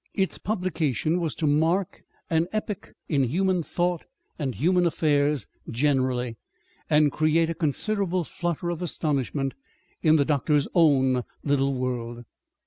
Its publication was to mark an epoch in human thought and human affairs generally, and create a considerable flutter of astonishment in the doctor's own little world.